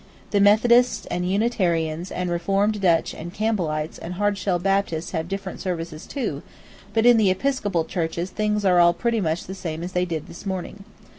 The Methodists and Unitarians and Reformed Dutch and Campbellites and Hard shell Baptists have different services too, but in the Episcopal churches things are all pretty much the same as they did this morning.